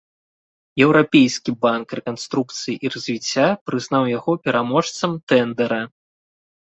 Еўрапейскі банк рэканструкцыі і развіцця прызнаў яго пераможцам тэндэра.